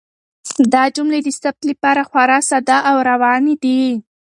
دا جملې د ثبت لپاره خورا ساده او روانې دي.